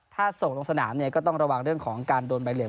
ถ้าส่งลงสนามเนี่ยก็ต้องระวังเรื่องของการโดนใบเหลี่ย